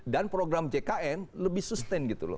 dan program jkn lebih sustain gitu loh